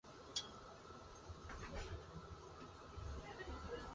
Corina es conocida por sus odas, aunque no se conserva obra suya completa.